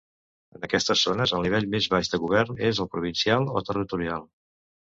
En aquestes zones, el nivell més baix de govern és el provincial o territorial.